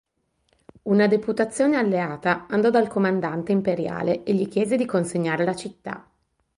Una deputazione alleata andò dal comandante imperiale e gli chiese di consegnare la città.